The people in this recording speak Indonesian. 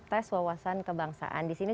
tes wawasan kebangsaan di sini